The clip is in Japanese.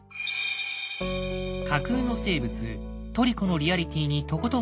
架空の生物トリコのリアリティにとことんこだわった上田。